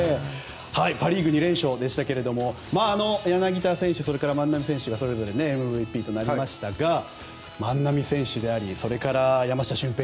パ・リーグ２連勝でしたけども柳田選手、それから万波選手がそれぞれＭＶＰとなりましたが万波選手であり山下舜平